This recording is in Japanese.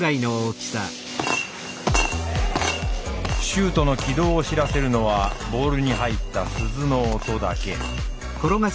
シュートの軌道を知らせるのはボールに入った鈴の音だけ。